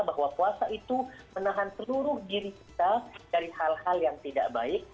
bahwa puasa itu menahan seluruh diri kita dari hal hal yang tidak baik